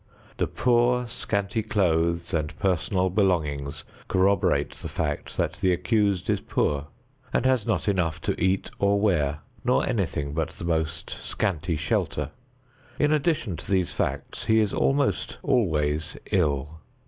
The poor, scanty clothes and personal belongings corroborate the fact that the accused is poor and has not enough to eat or wear, nor anything but the most scanty shelter. In addition to these facts, he is almost always ill.